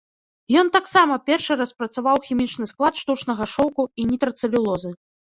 Ён таксама першы распрацаваў хімічны склад штучнага шоўку і нітрацэлюлозы.